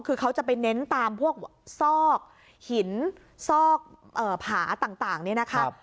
คือเขาจะไปเน้นตามพวกซอกหินซอกผาต่างนี่นะคะ